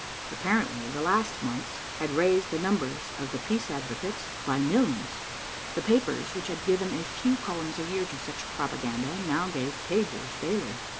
Apparently the last months had raised the numbers of the peace advocates by millions. The papers which had given a few columns a year to such propaganda now gave pages daily.